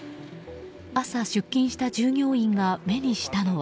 朝、出勤した従業員が目にしたのは。